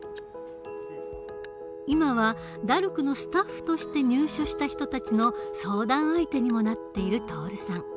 今はＤＡＲＣのスタッフとして入所した人たちの相談相手にもなっている徹さん。